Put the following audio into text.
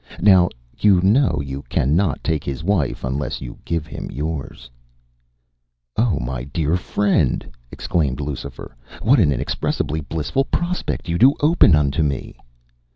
Now you know you can not take his wife, unless you give him yours.” “Oh, my dear friend,” exclaimed Lucifer, “what an inexpressibly blissful prospect you do open unto me!